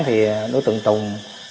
thì đối tượng tùng